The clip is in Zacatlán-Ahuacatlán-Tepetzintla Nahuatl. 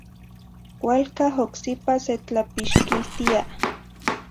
Cualcah ocsipa setlapixquiltia.